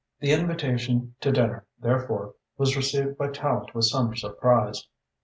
The invitation to dinner, therefore, was received by Tallente with some surprise.